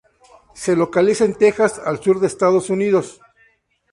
Se localiza en Texas al sur de Estados Unidos.